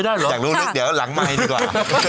อยากรู้ลึกเดี๋ยวหลังไมค์ดีกว่า